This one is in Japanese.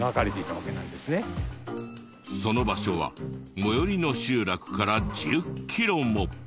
その場所は最寄りの集落から１０キロも。